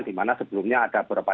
di mana sebelumnya ada beberapa